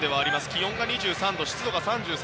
気温が２３度、湿度３３％。